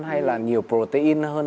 hay là nhiều protein hơn